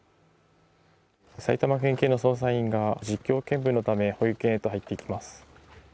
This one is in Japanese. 埼玉県警の捜査員が実況見分のため保育園に入っていきます。